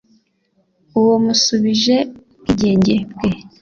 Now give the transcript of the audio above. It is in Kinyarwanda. uwo musubije ubwigenge bwe